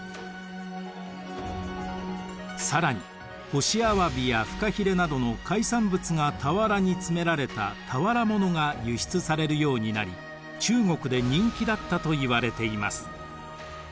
更に干しアワビやフカヒレなどの海産物が俵に詰められた俵物が輸出されるようになり中国で人気だったといわれています。